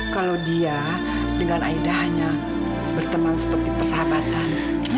kalau dia dengan aida hanya berteman seperti persahabatan